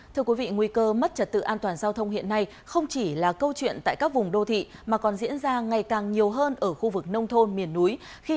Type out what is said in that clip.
thưa quý vị nguy cơ mất trật tự an toàn giao thông hiện nay không chỉ là câu chuyện tại các vùng đô thị